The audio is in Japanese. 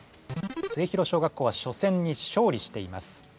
末広小学校は初戦にしょうりしています。